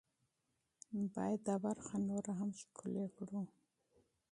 باید دا برخه نوره هم ښکلې کړو.